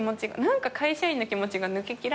何か会社員の気持ちが抜けきらない